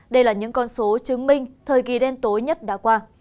đây là những con số chứng minh thời kỳ đen tối nhất đã qua